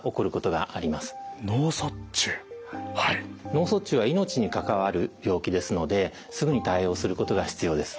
脳卒中は命に関わる病気ですのですぐに対応することが必要です。